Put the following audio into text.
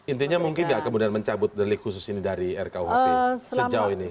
intinya mungkin nggak kemudian mencabut delik khusus ini dari rkuhp sejauh ini